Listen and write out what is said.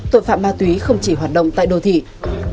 tội phạm ma túy không chỉ hoạt động tại đô thị